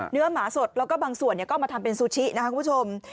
หมาสดแล้วก็บางส่วนก็มาทำเป็นซูชินะครับคุณผู้ชม